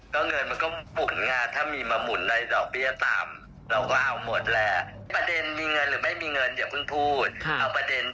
ก็แม่ก็ลงทุนนู่นนี่เยอะช่วงนี้ทุกคนก็เดือดร้อน